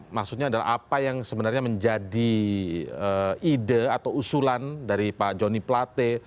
maksudnya adalah apa yang sebenarnya menjadi ide atau usulan dari pak joni plate